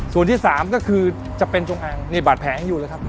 ส่วนที่สามก็คือจะเป็นจงอางนี่บาดแผลยังอยู่เลยครับ